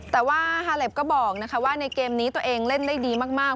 แต่ว่าฮาเลปก็บอกว่าในเกมนี้ตัวเองเล่นได้ดีมาก